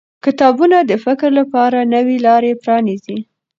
کتابونه د فکر لپاره نوې لارې پرانیزي